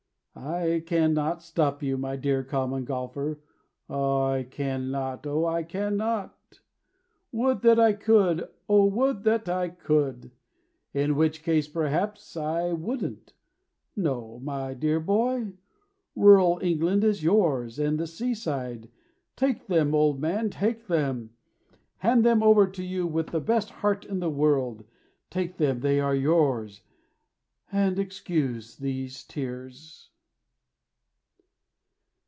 I cannot stop you, my dear Common Golfer, I cannot, O I cannot! Would that I could. O would that I could! In which case, perhaps, I wouldn't. No, my dear boy, Rural England is yours, Also the sea side, Take them, old man, take them; I hand them over to you with the best heart in the world. Take them they are yours And excuse these tears.